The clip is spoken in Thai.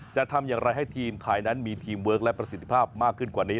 จะทำอย่างไรให้ทีมไทยนั้นมีทีมเวิร์คและประสิทธิภาพมากขึ้นกว่านี้